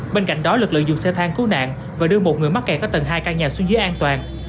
bên cạnh đó lực lượng dùng xe thang cứu nạn và đưa một người mắc kẹt ở tầng hai căn nhà xuống dưới an toàn